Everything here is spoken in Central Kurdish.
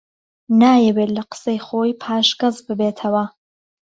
نایەوێت لە قسەی خۆی پاشگەز ببێتەوە